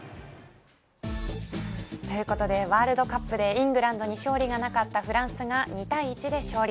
ということでワールドカップでイングランドに勝利がなかったフランスが２対１で勝利。